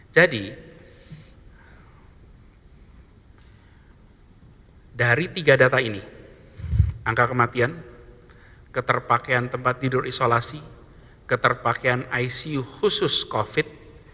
jadi dari tiga data ini angka kematian keterpakaian tempat tidur isolasi keterpakaian icu khusus covid sembilan belas